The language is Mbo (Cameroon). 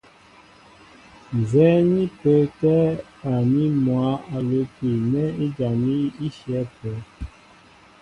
Ǹzɛ́ɛ́ ní pə́ə́tɛ̄ awaní mwǎ a lə́pi nɛ́ ijaní í shyɛ̌ ápə́.